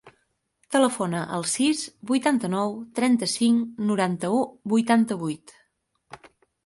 Telefona al sis, vuitanta-nou, trenta-cinc, noranta-u, vuitanta-vuit.